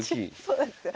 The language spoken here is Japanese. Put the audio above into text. そうなんですよ。